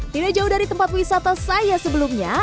tidak jauh dari tempat wisata saya sebelumnya